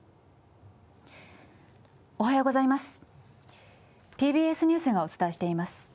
おはようございます。